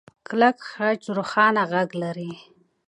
کلک خج روښانه غږ لري.